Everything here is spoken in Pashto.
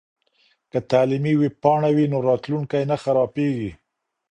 که تعلیمي ویبپاڼه وي نو راتلونکی نه خرابیږي.